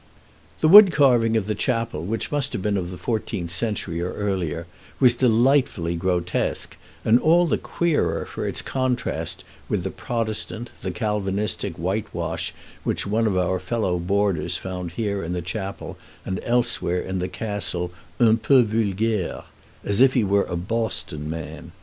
The wood carving of the chapel, which must have been of the fourteenth century or earlier, was delightfully grotesque, and all the queerer for its contrast with the Protestant, the Calvinistic, whitewash which one of our fellow boarders found here in the chapel and elsewhere in the castle un peu vulgaire as if he were a Boston man.